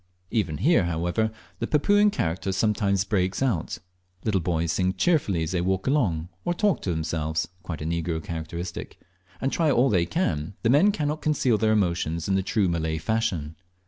Even here, however, the Papuan character sometimes breaks out. Little boys sing cheerfully as they walk along, or talk aloud to themselves (quite a negro characteristic); and try all they can, the men cannot conceal their emotions in the true Malay fashion.